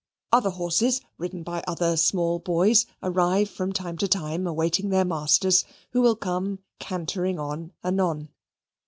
Other horses, ridden by other small boys, arrive from time to time, awaiting their masters, who will come cantering on anon.